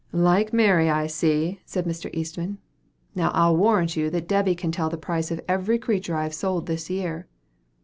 "Like Mary, I see," said Mr. Eastman. "Now I'll warrant you that Debby can tell the price of every creature I've sold this year."